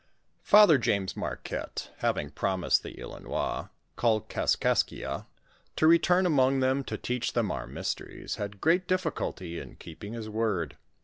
FATHEB James Marquette having promised the Ilinois, called Kaskaskia, to return among them to teach them our mysteries, had great difficulty in keeping his word.